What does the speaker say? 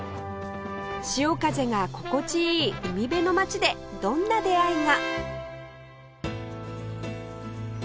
潮風が心地いい海辺の街でどんな出会いが？